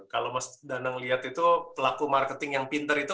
kalau mas danang lihat itu pelaku marketing yang pinter itu